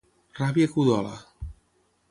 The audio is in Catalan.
Ràbia que udola.